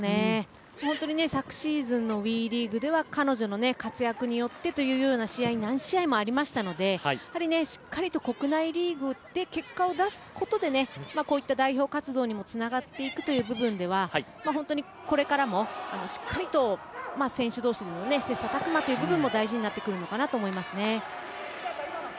昨シーズンのＷＥリーグでは彼女の活躍によってというような試合が何試合もありましたのでしっかりと国内リーグで結果を出すことでこういった代表活動にもつながっていくという部分では本当にこれからもしっかりと選手同士の切磋琢磨という部分も大事になるかなと思います。